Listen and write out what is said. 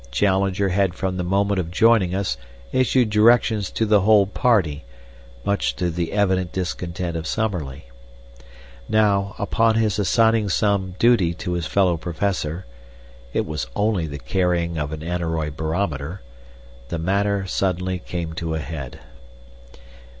Challenger had from the moment of joining us issued directions to the whole party, much to the evident discontent of Summerlee. Now, upon his assigning some duty to his fellow Professor (it was only the carrying of an aneroid barometer), the matter suddenly came to a head.